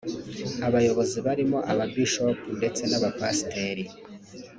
Aba bayobozi barimo aba Bishop ndetse n’Aba pasiteri